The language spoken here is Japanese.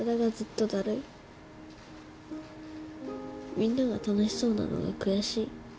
みんなが楽しそうなのが悔しい。